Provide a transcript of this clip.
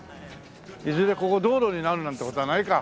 いずれここ道路になるなんて事はないか。